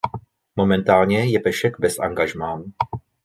Momentálně je Pešek bez angažmá.